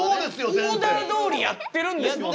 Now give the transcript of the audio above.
オーダーどおりやってるんですもんね。